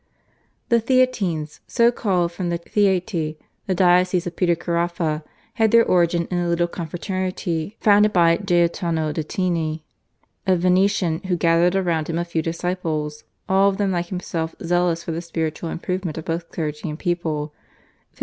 The Theatines, so called from Chieti (Theate) the diocese of Peter Caraffa, had their origin in a little confraternity founded by Gaetano di Tiene a Venetian, who gathered around him a few disciples, all of them like himself zealous for the spiritual improvement of both clergy and people (1524).